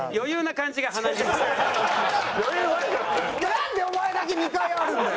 なんでお前だけ２回あるんだよ。